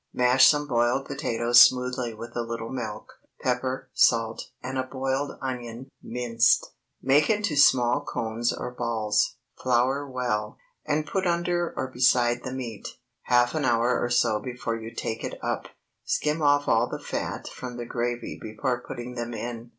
Mash some boiled potatoes smoothly with a little milk, pepper, salt, and a boiled onion (minced); make into small cones or balls; flour well, and put under or beside the meat, half an hour or so before you take it up. Skim off all the fat from the gravy before putting them in.